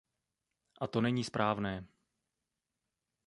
A to není správné.